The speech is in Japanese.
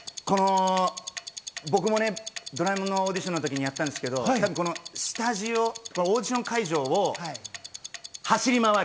僕もね、『ドラえもん』のオーディションの時にやったんですけど、オーディション会場を走り回る。